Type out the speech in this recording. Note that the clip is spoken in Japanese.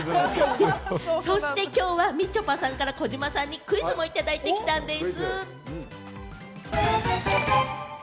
きょうは、みちょぱさんから児嶋さんにクイズもいただいてきたんでぃす。